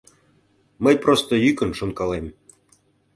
Мый просто йӱкын шонкалем.